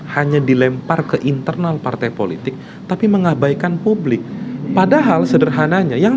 hanya dilempar ke internal partai politik tapi mengabaikan publik padahal sederhananya yang